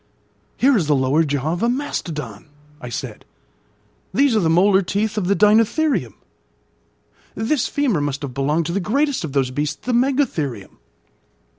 "Here is the lower jaw of a mastodon," I said. "These are the molar teeth of the deinotherium; this femur must have belonged to the greatest of those beasts, the megatherium.